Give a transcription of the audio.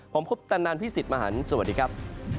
ผมคุปตันนันพี่สิทธิ์มหันฯสวัสดีครับ